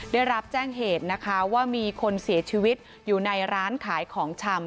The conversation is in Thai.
ได้รับแจ้งเหตุนะคะว่ามีคนเสียชีวิตอยู่ในร้านขายของชำ